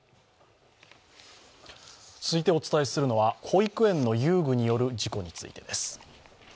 続いてお伝えするのは保育園の遊具についての事故についてです。